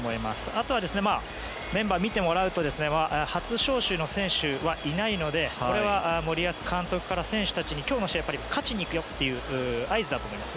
あとはメンバーを見てもらうと初招集の選手はいないのでこれは森保監督から選手たちに今日の試合、やっぱり勝ちにいくよという合図だと思います。